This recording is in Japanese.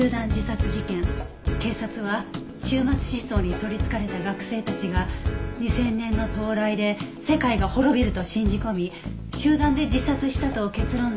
警察は終末思想に取りつかれた学生たちが２０００年の到来で世界が滅びると信じ込み集団で自殺したと結論づけたけど。